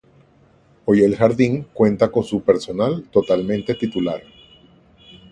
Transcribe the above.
Hoy el jardín cuenta con su personal totalmente titular.